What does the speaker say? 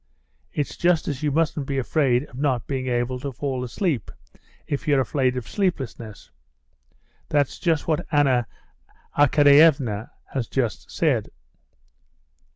It's just as you mustn't be afraid of not being able to fall asleep, if you're afraid of sleeplessness. That's just what Anna Arkadyevna has just said."